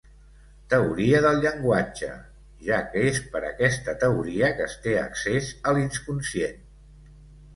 Teoria del llenguatge, ja que és per aquesta teoria que es té accés a l'inconscient.